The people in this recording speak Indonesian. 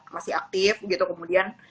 masih aktif gitu kemudian